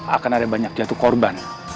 akan ada banyak jatuh korban